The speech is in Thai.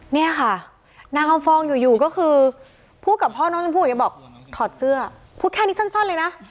เนี่ยค่ะนางอำฟองอยู่ก็คือพูดกับพ่อน้องชมพู่ยังบอกถอดเสื้อพูดแค่นี้สั้นเลยนะ